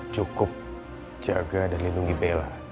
cukup jaga dan lindungi bella